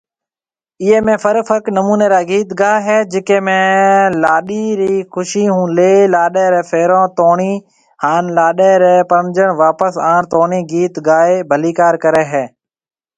ايئي ۾ فرق فرق نموني را گيت گاوي هي، جڪي ۾ لاڏي ري خوشي هون لي لاڏي ڦيرون توڻي هان لاڏي ري پرڻجي واپس آڻ توڻي گيت گائي ڀليڪار ڪري هي